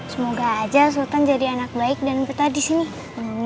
semoga aja sultan jadi anak baik dan kita di sini